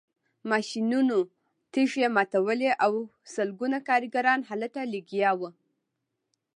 ماشینونو تیږې ماتولې او سلګونه کارګران هلته لګیا وو